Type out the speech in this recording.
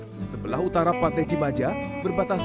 di sebelah utara pantai cimaja berbatasan dengan pantai cimaja